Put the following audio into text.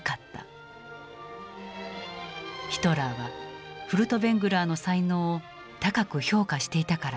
ヒトラーはフルトヴェングラーの才能を高く評価していたからだった。